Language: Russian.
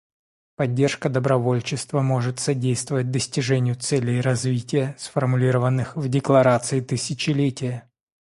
Поддержка добровольчества может содействовать достижению целей развития, сформулированных в Декларации тысячелетия.